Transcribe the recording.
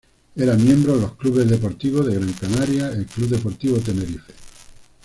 Eran miembros los clubes deportivos de Gran Canaria, el Club Deportivo Tenerife.